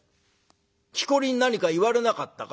「きこりに何か言われなかったか？」。